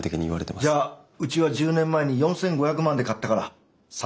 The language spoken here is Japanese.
じゃあうちは１０年前に４，５００万で買ったから３，０００万